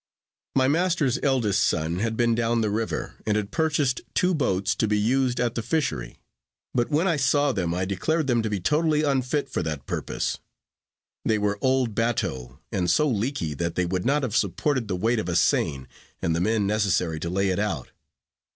My master's eldest son had been down the river, and had purchased two boats, to be used at the fishery; but when I saw them, I declared them to be totally unfit for that purpose. They were old batteaux, and so leaky that they would not have supported the weight of a seine and the men necessary to lay it out.